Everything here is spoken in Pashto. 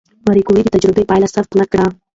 ماري کوري د تجربې پایله ثبت نه کړه؟